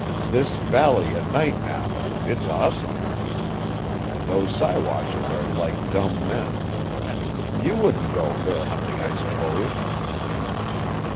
This valley at night now it's awesome. And those Siwashes are like dumb men. You wouldn't go bear hunting, I suppose?"